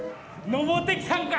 登ってきたんか！